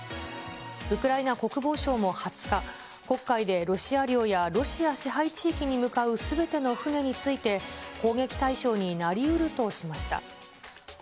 ウクライナ国防省も２０日、黒海でロシア領やロシア支配地域に向かうすべての船について、攻撃対象になりうるとしました。